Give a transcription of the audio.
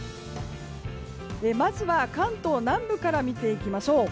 まずは関東南部から見ていきます。